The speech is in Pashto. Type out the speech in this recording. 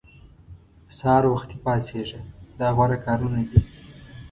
سهار وختي پاڅېږه دا غوره کارونه دي.